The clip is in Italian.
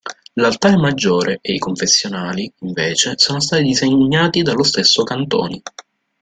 L'altare maggiore e i confessionali, invece, sono stati disegnati dallo stesso Cantoni.